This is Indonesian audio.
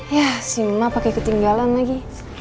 ya si emak pake ketinggalan lagi